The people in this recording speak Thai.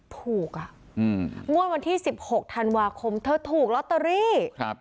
ถูกอ่ะอืมงวดวันที่๑๖ธันวาคมเธอถูกลอตเตอรี่